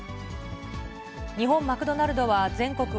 日本マクドナルドは、全国